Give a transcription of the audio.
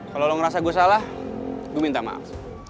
kalau lo ngerasa gue salah gue minta maaf